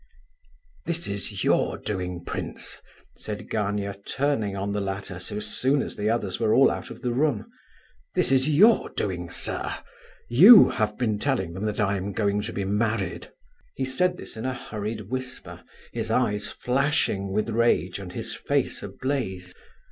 "This is your doing, prince," said Gania, turning on the latter so soon as the others were all out of the room. "This is your doing, sir! You have been telling them that I am going to be married!" He said this in a hurried whisper, his eyes flashing with rage and his face ablaze.